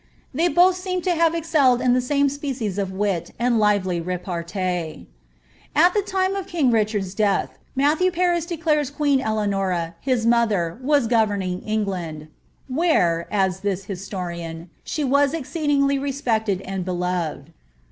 They both seem to have excelled in the same species of wit and lively repaitee. At the time of king Richard's death, Matthew Paris declares queen Eleanora, his mother, was governing England, ^ where," adds that his torian, ^ she was exceedingly respected and beloved."